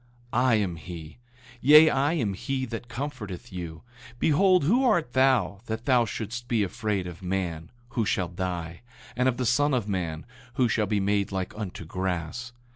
8:12 I am he; yea, I am he that comforteth you. Behold, who art thou, that thou shouldst be afraid of man, who shall die, and of the son of man, who shall be made like unto grass?